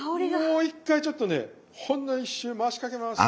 もう一回ちょっとねほんの一瞬回しかけます。